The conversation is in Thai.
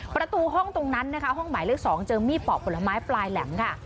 ประตูห้องตรงนั้นนะคะห้องหมายเลข๒เจอมีดปอกผลไม้ปลายแหลมค่ะ